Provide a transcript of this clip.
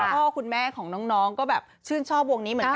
พ่อคุณแม่ของน้องก็แบบชื่นชอบวงนี้เหมือนกัน